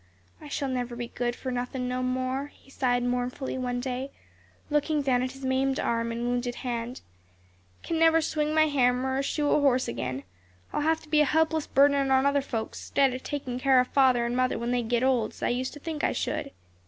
"I shall never be good for nothing no more," he sighed, mournfully, one day, looking down at his maimed arm and wounded hand; "can never swing my hammer, or shoe a horse again. I'll have to be a helpless burden on other folks, 'stead o' takin' care o' father and mother when they git old, as I used to think I should."